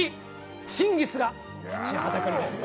・チンギスが立ちはだかります。